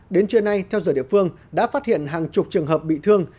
đến trưa nay theo giờ địa phương đã phát hiện hàng chục trường hợp bị thương